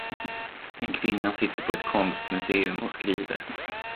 En kvinna sitter på ett konstmuseum och skriver